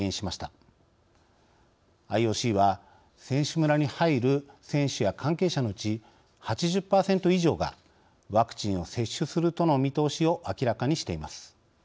ＩＯＣは選手村に入る選手や関係者のうち８０％以上がワクチンを接種するとの見通しを明らかにしています。